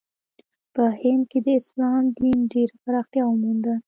په هند کې د اسلام دین ډېره پراختیا ومونده.